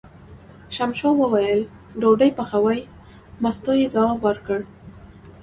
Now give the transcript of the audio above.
ششمو وویل: ډوډۍ پخوې، مستو یې ځواب ورکړ.